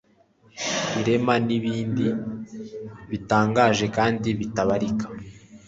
irema n'ibindi bitangaje kandi bitabarika